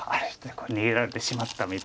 これ逃げられてしまったみたいな。